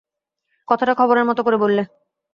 কথাটা খবরের মতো করে বললে।